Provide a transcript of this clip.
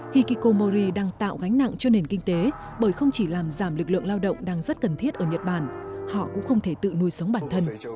hikikomori đang tạo gánh nặng cho nền kinh tế bởi không chỉ làm giảm lực lượng lao động đang rất cần thiết ở nhật bản họ cũng không thể tự nuôi sống bản thân